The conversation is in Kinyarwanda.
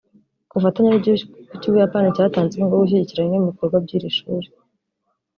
ku bufatanye n’igihugu cy’Ubuyapani cyatanze inkurnga yo gushyigikira bimwe mu bikorwa by’iri shuri